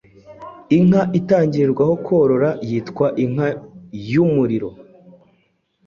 Inka itangirirwaho korora yitwa Inka y’umuriro